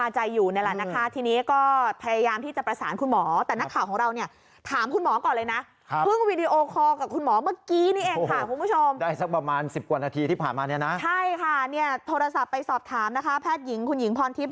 ใช่ค่ะโทรศัพท์ไปสอบถามนะคะแพทย์หญิงคุณหญิงพรทิพย